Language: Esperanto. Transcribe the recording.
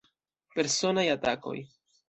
Personaj atakoj.